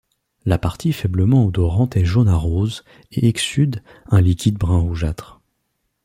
La partie faiblement odorante est jaune à rose et exsude un liquide brun rougeâtre.